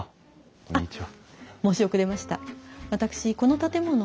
こんにちは。